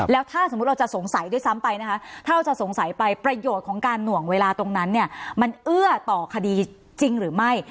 แล้วถ้าสมมุติเราจะสงสัยด้วยซ้ำไปนะคะถ้าเราจะสงสัยไปประโยชน์ของการหน่วงเวลาตรงนั้นเนี่ยมันเอื้อต่อคดีจริงหรือไม่